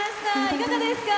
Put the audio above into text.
いかがですか？